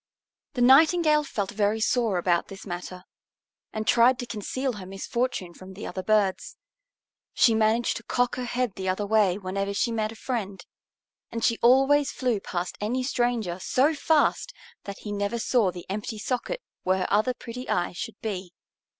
The Nightingale felt very sore about this matter, and tried to conceal her misfortune from the other birds. She managed to cock her head the other way whenever she met a friend, and she always flew past any stranger so fast that he never saw the empty socket where her other pretty eye should be.